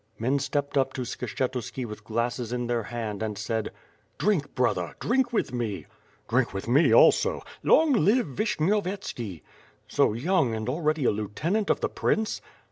Men stepped up to Skshetuski with glasses in their hand and said: "Drink, brother! Drink with me/^ "Drink with me also?" "Long live Vishnyovyetski/' "So young, and already a lieutenant of the Prince."